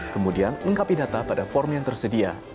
kemudian lengkapi data pada form yang tersedia